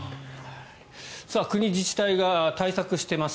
国、自治体が対策しています。